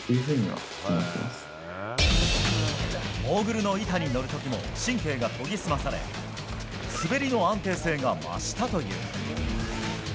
モーグルの板に乗る時も神経が研ぎ澄まされ滑りの安定性が増したという。